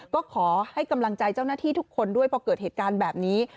ก็ขอให้กำลังใจเจ้าหน้าที่ทุกคนด้วยพอเกิดเหตุการณ์แบบนี้